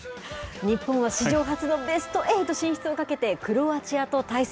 日本は史上初のベストエイト進出をかけてクロアチアと対戦。